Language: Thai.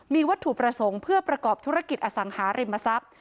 มีวัตถุประสงค์เพื่อประกอบธุรกิจอสังหาริมทรัพย์